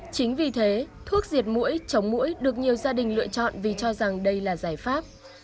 chính vì thế thuốc diệt mũi chống mũi được nhiều gia đình lựa chọn vì cho rằng đây là giải pháp